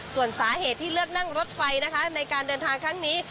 ส่วนสาเหตุที่เลือกนั่งรถไฟนะคะในการเดินทางครั้งนี้